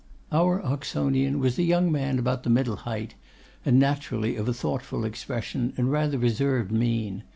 Our Oxonian was a young man about the middle height, and naturally of a thoughtful expression and rather reserved mien.